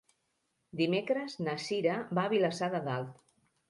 Dimecres na Cira va a Vilassar de Dalt.